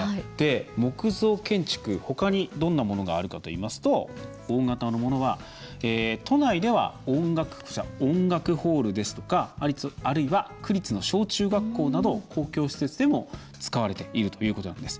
木造建築、ほかにどんなものがあるかといいますと大型のものは都内では音楽ホールですとかあるいは、区立の小中学校など公共施設でも使われているということなんです。